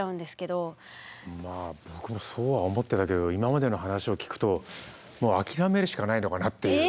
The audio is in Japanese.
まあ僕もそうは思ってたけど今までの話を聞くともうあきらめるしかないのかなっていう。